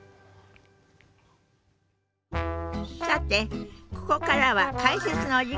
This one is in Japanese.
さてここからは解説のお時間ですよ。